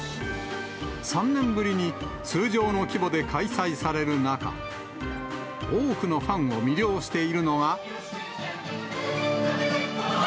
３年ぶりに通常の規模で開催される中、多くのファンを魅了しているのが。